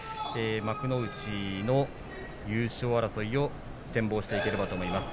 幕内の優勝争いを展望をしていければと思います。